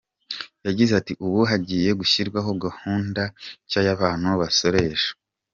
Yagize ati “Ubu hagiye gushyirwaho gahunda nshya y’abantu basoresha.